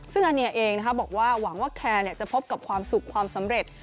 ซึ่งอาเนียเองบอกว่าหวังว่าแคร์จะพบกับความสุขความสำเร็จ